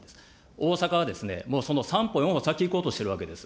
大阪は、もうその３歩、４歩先に行こうとしてるわけです。